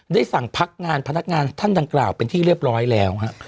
สั่งพักงานพนักงานท่านดังกล่าวเป็นที่เรียบร้อยแล้วฮะ